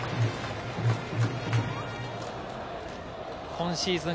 今シーズン